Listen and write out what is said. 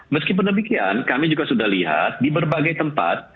meskipun demikian kami juga sudah lihat di berbagai tempat